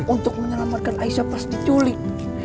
untuk menyelamatkan aisyah pas diculik